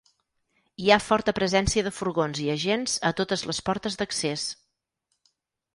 Hi ha forta presència de furgons i agents a totes les portes d’accés.